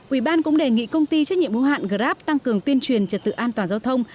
ủy ban cũng đề nghị công ty trách nhiệm hữu hạn grab tăng cường tuyên truyền trật tự an toàn giao thông